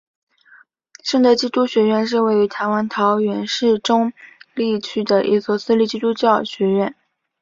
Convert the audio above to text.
圣德基督学院是位于台湾桃园市中坜区的一所私立基督教学院。